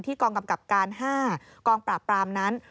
กองกำกับการ๕กองปราบปรามนั้น